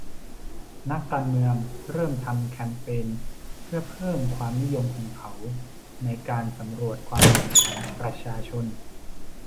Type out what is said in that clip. นักการเมืองเริ่มทำแคมเปญเพื่อเพิ่มความนิยมของเขาในการสำรวจความคิดเห็นของประชาชน